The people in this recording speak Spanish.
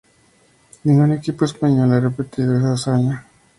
Ningún equipo español ha repetido esa hazaña.